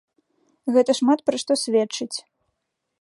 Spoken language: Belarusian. Гэта шмат пра што сведчыць.